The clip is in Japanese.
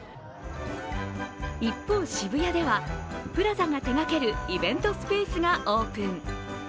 一方、渋谷ではＰＬＡＺＡが手がけるイベントスペースがオープン。